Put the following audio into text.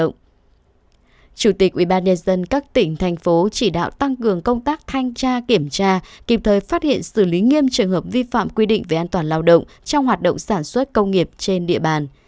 bộ công an chỉ đạo công an tỉnh đồng nai phối hợp với bộ lao động thương minh và xã hội ubnd dân các tỉnh thành phố trực thuộc trung ương và đơn vị liên quan chỉ đạo tăng cường công tác thanh tra kiểm tra kịp thời phát hiện xử lý nghiêm trường hợp vi phạm quy định về an toàn lao động trong hoạt động sản xuất công nghiệp trên địa bàn